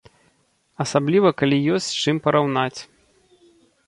Асабліва калі ёсць з чым параўнаць.